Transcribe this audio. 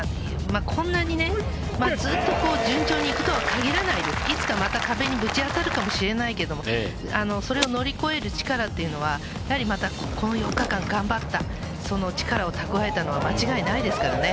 こんなにずっとこう順調にいくとはかぎらないです、いつかまた壁にぶち当たるかもしれないけど、それを乗り越える力っていうのは、やはりまたこの４日間頑張った、その力を蓄えたのは間違いないですからね。